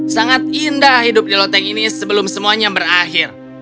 sangat indah hidup di loteng ini sebelum semuanya berakhir